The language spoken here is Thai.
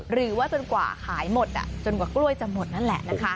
หรือว่าจนกว่าที่หายป่าซาจนกว่ากล้วยจะหมดอันนั้นแหละ